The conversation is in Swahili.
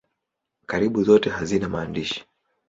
Karibu zote hazina maandishi.